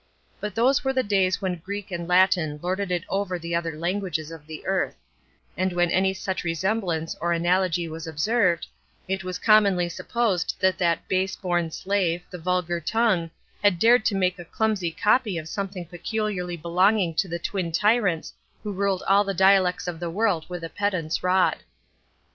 But those were the days when Greek and Latin lorded it over the other languages of the earth; and when any such resemblance or analogy was observed, it was commonly supposed that that base born slave, the vulgar tongue, had dared to make a clumsy copy of something peculiarly belonging to the twin tyrants who ruled all the dialects of the world with a pedant's rod.